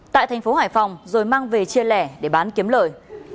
tại thành phố hải phòng rồi mang về chia lẻ để bán kiếm lời